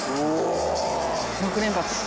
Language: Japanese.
「６連発」